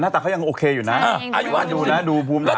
แต่เขายังโอเคอยู่นะอายุอ่านดูนะดูภูมิตา